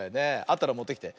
あったらもってきて。